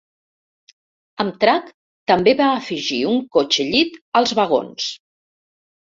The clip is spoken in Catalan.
Amtrak també va afegir un cotxe llit als vagons.